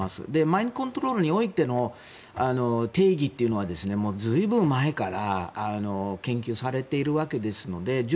マインドコントロールにおいての定義というのは随分前から研究されているわけですので１０